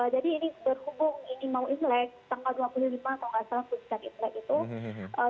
jadi ini berhubung ini mau inlek tanggal dua puluh lima atau tidak salah sepuluh tiga puluh inlek itu